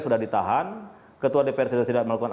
sudah ditahan ketua dpr sedang melakukan